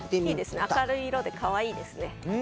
明るい色で可愛いですね。